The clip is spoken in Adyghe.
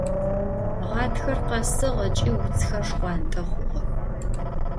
Ğatxer khesığ, ıç'i vutsxer şşxhuant'e xhuğex.